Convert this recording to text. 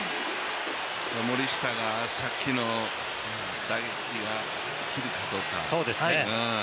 森下がさっきの打撃が響くかどうか。